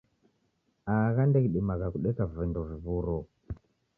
Agha ndeghidimagha kudeka vindo viw'uro!